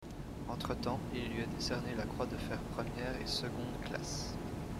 Entre-temps, il lui est décerné la croix de fer première et seconde classe.